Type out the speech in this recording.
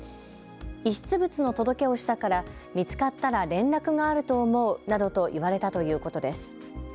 遺失物の届けをしたから見つかったら連絡があると思うなどと言われたということです。